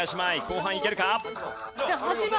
後半いけるか？